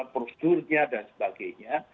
prosedurnya dan sebagainya